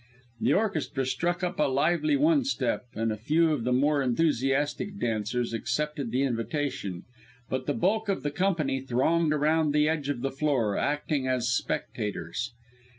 The orchestra struck up a lively one step, and a few of the more enthusiastic dancers accepted the invitation, but the bulk of the company thronged around the edge of the floor, acting as spectators.